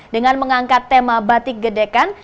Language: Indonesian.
dengan mengangkat tema batik gedekan